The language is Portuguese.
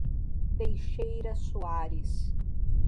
Teixeira Soares